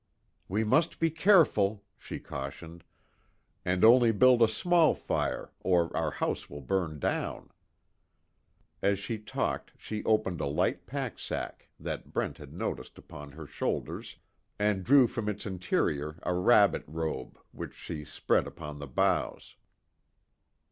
"We must be careful," she cautioned, "and only build a small fire, or our house will burn down." As she talked she opened a light packsack that Brent had noticed upon her shoulders, and drew from its interior a rabbit robe which she spread upon the boughs.